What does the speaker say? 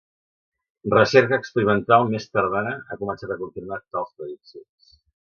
Recerca experimental més tardana ha començat a confirmar tals prediccions.